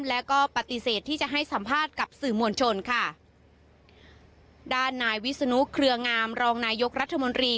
แล้วก็ปฏิเสธที่จะให้สัมภาษณ์กับสื่อมวลชนค่ะด้านนายวิศนุเครืองามรองนายกรัฐมนตรี